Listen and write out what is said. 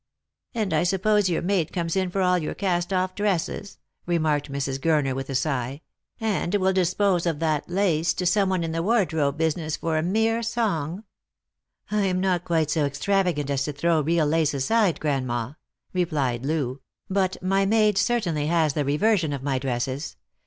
" And I suppose your maid comes in for all your cast off dresses," remarked Mrs. Gurner with a sigh, " and will dispose of that lace to some one in the wardrobe business for a mere song ?"" I am not quite so extravagant as to throw real lace aside, grandma," replied Loo ;" but my maid certainly has the rever sion of my dresses.